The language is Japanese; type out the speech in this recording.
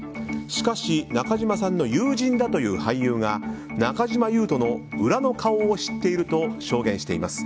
しかし、中島さんの友人だという俳優が中島裕翔の裏の顔を知っていると証言しています。